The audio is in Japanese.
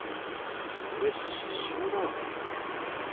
これ刺しゅうだよね？